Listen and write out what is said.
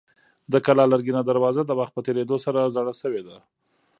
د کلا لرګینه دروازه د وخت په تېرېدو سره زړه شوې ده.